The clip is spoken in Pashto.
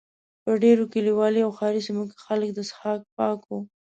په ډېرو کلیوالو او ښاري سیمو کې خلک د څښاک پاکو.